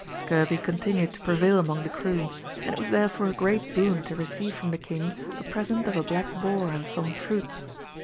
Scurvy continued to prevail among the crew, and it was therefore a great boon to receive from the king a present of a black boar and some fruits.